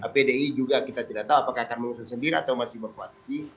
pdi juga kita tidak tahu apakah akan mengusung sendiri atau masih berkoalisi